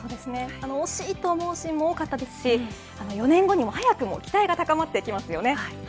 惜しいと思うシーンも多かったですし４年後に早くも期待が高まってきますよね。